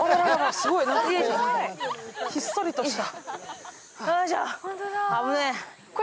すごい、ひっそりとした。